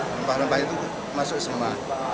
rempah rempah itu masuk semua